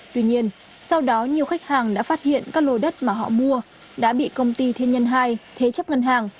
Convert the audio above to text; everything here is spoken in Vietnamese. tuy nhiên sau đó nhiều khách hàng đã phát hiện các lô đất mà họ mua đã bị công ty thiên nhân hai thế chấp ngân hàng